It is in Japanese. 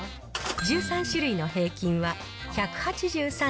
１３種類の平均は、１８３．９円。